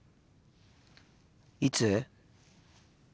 いつ？